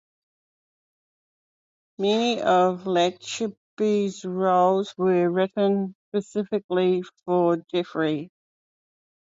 Many of Labiche's roles were written specifically for Geoffroy.